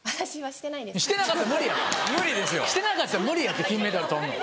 してなかったら無理やって金メダル取るの。